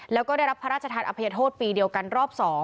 แล้วก็ได้รับพระราชทานอภัยโทษปีเดียวกันรอบ๒